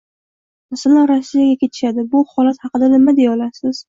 masalan Rossiyaga ketishadi. Bu holat haqida nima deya olasiz?